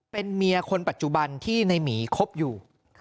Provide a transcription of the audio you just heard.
เป็นเมียคนปัจจุบันที่ในหมีคบอยู่